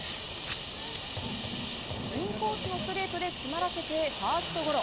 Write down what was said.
インコースのストレートで詰まらせてファーストゴロ。